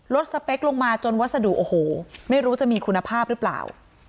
สเปคลงมาจนวัสดุโอ้โหไม่รู้จะมีคุณภาพหรือเปล่า